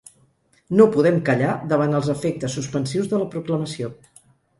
No podem callar davant els efectes suspensius de la proclamació.